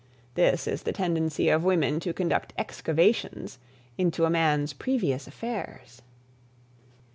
This is the tendency of women to conduct excavations into a man's previous affairs.